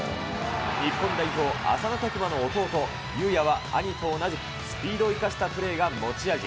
日本代表、浅野拓磨の弟、雄也は兄と同じく、スピードを生かしたプレーが持ち味。